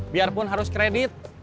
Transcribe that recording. biarpun harus kredit